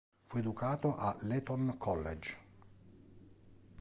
Fu educato all'Eton College.